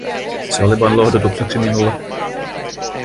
Se oli vain lohdutukseksi minulle.